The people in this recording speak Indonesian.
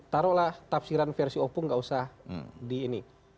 taruhlah tafsiran versi opung nggak usah di ini